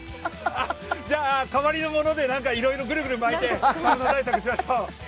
じゃあ、代わりのものでいろいろぐるぐる巻いて寒さ対策をしましょう！